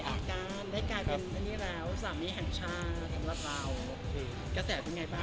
อันการได้กลายเป็นนี่แล้วสามีแห่งชาติสำหรับเรา